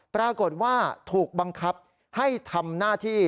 ปรากฏว่าถูกบังคับให้ทำหน้าที่